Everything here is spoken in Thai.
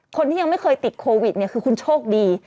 คนที่ยังไม่เคยติดโควิดเนี่ยคือคุณโชคดี